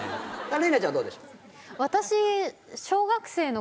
怜奈ちゃんどうでしょう？